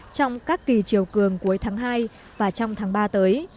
trong các kỳ chiều cường cuối tháng hai và trong tháng ba tới